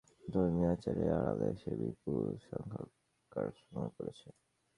ধর্মীয় আচারের আড়ালে সে বিপুল সংখ্যক কার্স সংগ্রহ করেছে।